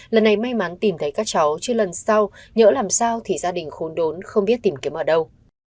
lần này may mắn tìm thấy các cháu chứ lần sau nhớ làm sao thì gia đình khốn đốn không biết tìm kiếm ở đâu